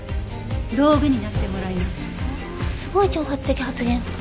うわあすごい挑発的発言。